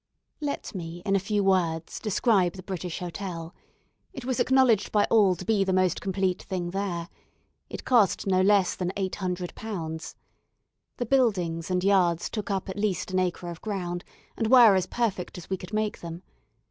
Let me, in a few words, describe the British Hotel. It was acknowledged by all to be the most complete thing there. It cost no less than £800. The buildings and yards took up at least an acre of ground, and were as perfect as we could make them.